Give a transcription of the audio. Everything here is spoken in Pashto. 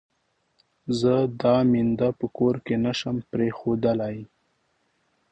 زه دا مينده په کور کې نه شم پرېښودلای.